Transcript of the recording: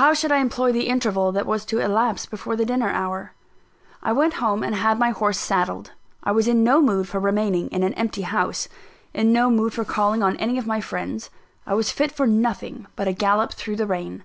How should I employ the interval that was to elapse before the dinner hour? I went home, and had my horse saddled. I was in no mood for remaining in an empty house, in no mood for calling on any of my friends I was fit for nothing but a gallop through the rain.